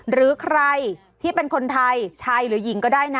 หรือใครที่เป็นคนไทยชายหรือหญิงก็ได้นะ